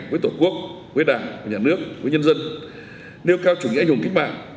với tổ quốc với đảng với nhà nước với nhân dân nêu cao chủ nghĩa hùng kích mạng